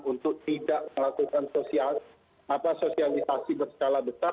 untuk tidak melakukan sosialisasi berskala besar